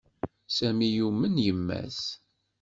Sami yumen yemma-s.